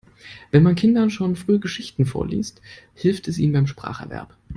Wenn man Kindern schon früh Geschichten vorliest, hilft es ihnen beim Spracherwerb.